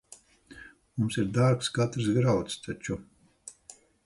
Mums ir dārgs katrs grauds taču.